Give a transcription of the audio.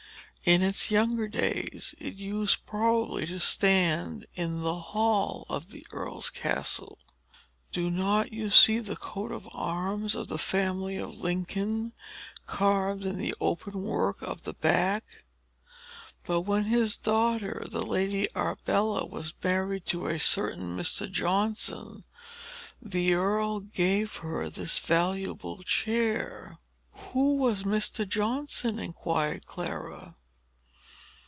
In its younger days it used, probably, to stand in the hall of the earl's castle. Do not you see the coat of arms of the family of Lincoln, carved in the open work of the back? But when his daughter, the Lady Arbella, was married to a certain Mr. Johnson, the earl gave her this valuable chair." "Who was Mr. Johnson?" inquired Clara.